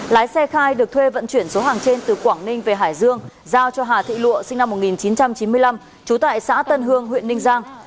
lái xe khai được thuê vận chuyển số hàng trên từ quảng ninh về hải dương giao cho hà thị lụa sinh năm một nghìn chín trăm chín mươi năm trú tại xã tân hương huyện ninh giang